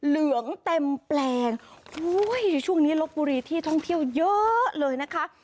เหลืองเต็มแปลงอุ้ยช่วงนี้ลบบุรีที่ท่องเที่ยวเยอะเลยนะคะ